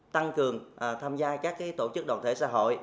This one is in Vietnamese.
tăng cường tham gia các tổ chức đoàn thể xã hội